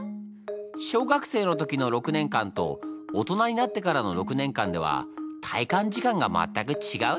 小学生の時の６年間と大人になってからの６年間では体感時間が全く違うだにゃー。